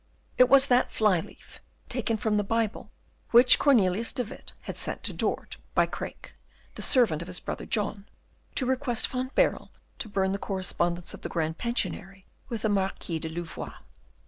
It was that fly leaf, taken from the Bible, which Cornelius de Witt had sent to Dort by Craeke, the servant of his brother John, to request Van Baerle to burn the correspondence of the Grand Pensionary with the Marquis de Louvois.